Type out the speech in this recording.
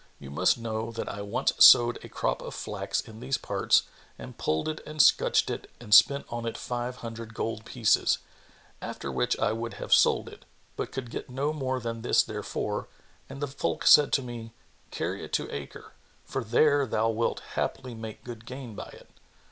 You must know that I once sowed a crop of flax in these parts and pulled it and scutched it and spent on it five hundred gold pieces; after which I would have sold it, but could get no more than this therefor, and the folk said to me, 'Carry it to Acre: for there thou wilt haply make good gain by it.'